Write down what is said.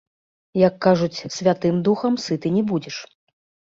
Як кажуць, святым духам сыты не будзеш.